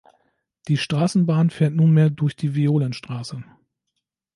Die Straßenbahn fährt nunmehr durch die Violenstraße.